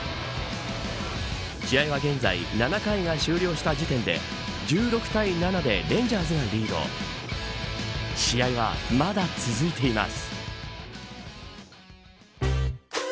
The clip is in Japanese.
試合は現在７回が終了した時点で１６対７でレンジャーズがリード試合はまだ続いています。